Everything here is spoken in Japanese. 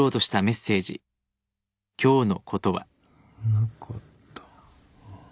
なかった